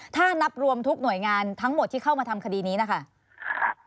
ถ้านับรวมทุกหน่วยงานทั้งหมดที่เข้ามาทำคดีนี้นะคะ